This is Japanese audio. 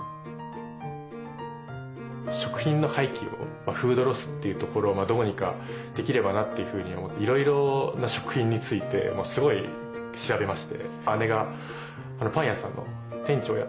食品の廃棄をフードロスというところをどうにかできればなというふうに思っていろいろな食品についてすごい調べまして。